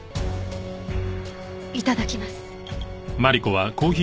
いただきます。